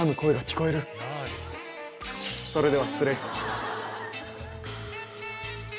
それでは失礼。